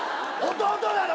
弟なの？